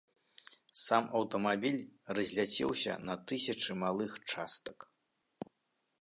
Сам аўтамабіль разляцеўся на тысячы малых частак.